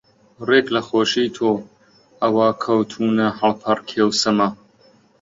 ڕێک لە خۆشی تۆ ئەوا کەوتوونە هەڵپەڕکێ و سەما